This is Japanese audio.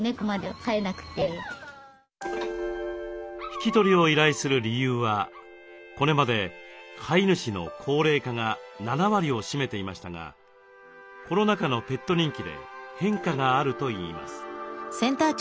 引き取りを依頼する理由はこれまで飼い主の高齢化が７割を占めていましたがコロナ禍のペット人気で変化があるといいます。